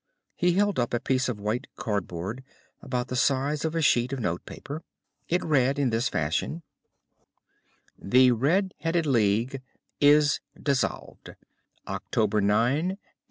He held up a piece of white cardboard about the size of a sheet of note paper. It read in this fashion: "THE RED HEADED LEAGUE IS DISSOLVED. October 9, 1890."